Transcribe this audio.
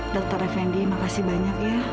dokter effendi terima kasih banyak